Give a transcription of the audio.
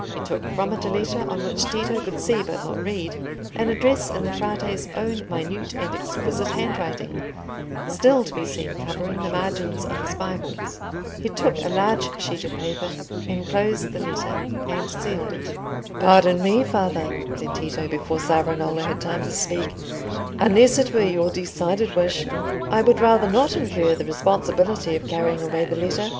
He took from it a letter on which Tito could see, but not read, an address in the Frate's own minute and exquisite handwriting, still to be seen covering the margins of his Bibles. He took a large sheet of paper, enclosed the letter, and sealed it. "Pardon me, father," said Tito, before Savonarola had time to speak, "unless it were your decided wish, I would rather not incur the responsibility of carrying away the letter.